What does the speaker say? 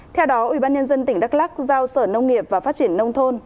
theo đó ubnd tỉnh đắk lắc giao sở nông nghiệp và phát triển nông thôn